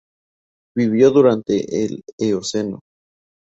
Vivió durante el Eoceno.